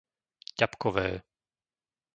Ťapkové